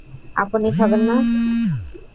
আপনি খাবেন না?